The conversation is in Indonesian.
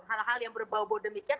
hal hal yang berbau bau demikian